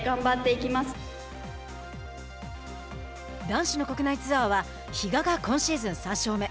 男子の国内ツアーは比嘉が今シーズン３勝目。